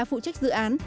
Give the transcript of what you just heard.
phụ trách dự án